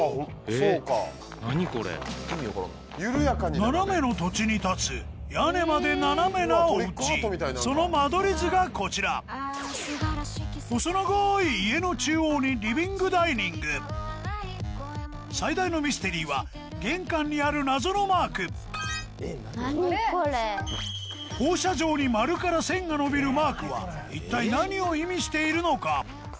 斜めの土地に建つ屋根まで斜めなお家その間取り図がこちら細長い家の中央にリビングダイニング最大のミステリーは玄関にある謎のマーク放射状に一体何を意味しているのか？